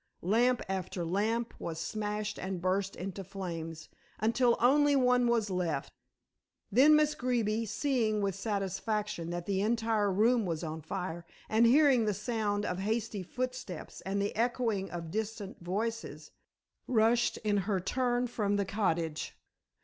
Lamp after lamp was smashed and burst into flames, until only one was left. Then Miss Greeby, seeing with satisfaction that the entire room was on fire and hearing the sound of hasty footsteps and the echoing of distant voices, rushed in her turn from the cottage.